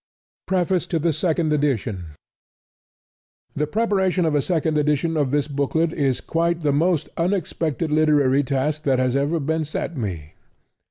PREFACE TO THE SECOND EDITION The preparation of a Second Edition of this booklet is quite the most unexpected literary task that has ever been set me.